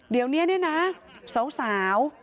เดี๋ยวนี้นะสาว